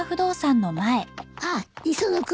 あっ磯野君。